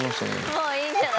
もういいんじゃない？